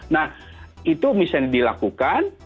nah itu bisa dilakukan